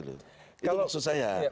itu maksud saya